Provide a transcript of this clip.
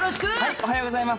おはようございます。